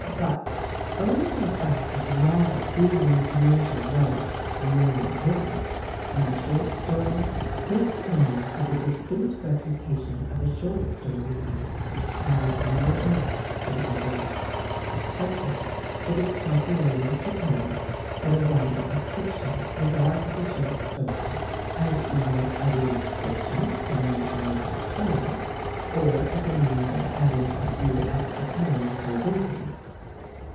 But, owing to the fact of the novel being in the commercial world "more important" than the short story, his claim to the distinct reputation of a short story writer has more or less been overlooked. Again, it is popularly supposed that a writer of fiction regards the short story as either a relaxation from more arduous toil or as a means of adding & few extra pounds to his income.